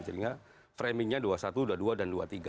jadi framingnya dua puluh satu dua puluh dua dan dua puluh tiga